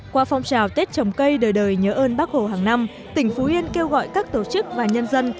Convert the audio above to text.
qua phong trào tết trồng cây đời đời nhớ ơn bác hồ hàng năm tỉnh phú yên kêu gọi các tổ chức và nhân dân